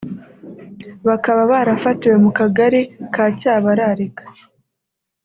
bakaba barafatiwe mu kagari ka Cyabararika